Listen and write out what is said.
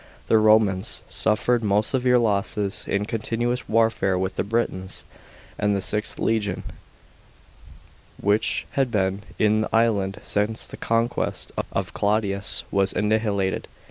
f The Romans suffered most severe losses in continuous warfare with the Britons,f and the IXth legion, which had been in the island since the conquest of Claudius, was annihilated.